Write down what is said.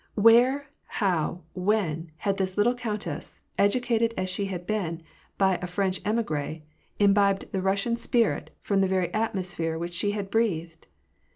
Where, how, when, had this. little countess, educated as she had been by a French emigree^ imbibed the Eussian spirit from the very atmosphere which she had breathed